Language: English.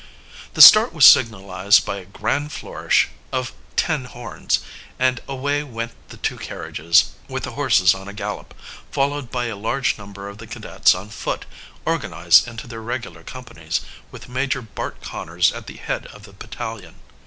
The start was signalized by a grand flourish of tin horns; and away went the two carriages with the horses on a gallop, followed by a large number of the cadets on foot, organized into their regular companies, with Major Bart Conners at the head of the battalion.